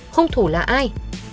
hùng thủ là ai